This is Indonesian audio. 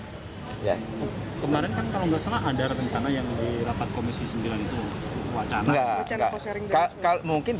bapak bapak kemarin kan kalau tidak salah ada rencana yang dirapat komisi sembilan itu